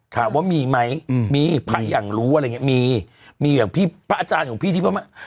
ถามว่ามีไหมพระอย่างรู้พระอาจารย์ของพี่ที่พระมัก